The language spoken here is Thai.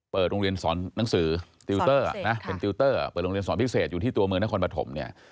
เปิดโรงเรียนสอนหนังสือเป็นติวเตอร์เปิดโรงเรียนสอนพิเศษอยู่ที่ตัวเมืองนครปฐม